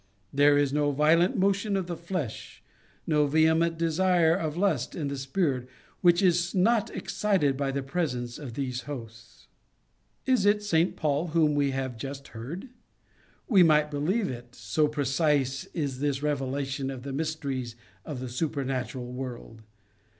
There is no violent motion in the flesh, no vehement desire of lust in the spirit, which is not excited by the presence of those hosts."* Is it St. Paul whom we have just heard? We might believe it, so precise is this reve lation of the mysteries of the supernatural world.